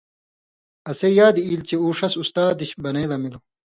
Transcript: اسے یادی ایل چےۡ اُو ݜس اُستا دِش بنَیں لمِلوۡ